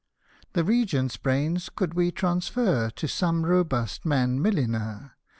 — The R — G — t's brains could we transfer To some robust man milliner.